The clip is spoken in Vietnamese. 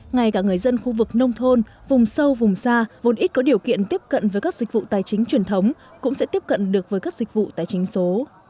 ngay cả người dân khu vực nông thôn vùng sâu vùng xa vốn ít có điều kiện tiếp cận với các dịch vụ tài chính truyền thống cũng sẽ tiếp cận được với các dịch vụ tài chính số